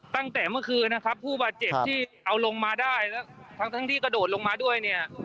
ตั้งแต่เมื่อคืนนะครับผู้บาดเจ็บที่เอาลงมาได้แล้วทั้งทั้งที่กระโดดลงมาด้วยเนี่ย